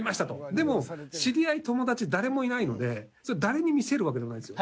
でも知り合い、友達誰もいないので誰に見せるわけでもないんですよ。